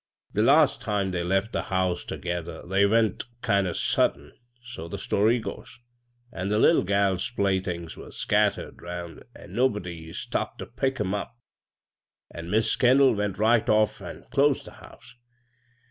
The last ime they left the house tergether they went dnd o' sudden — so the story goes— an' the ittle gal's playthings was scattered 'round m' nobody stopped ter pick 'em up, an' Mis' <!endall went right off an' closed the house.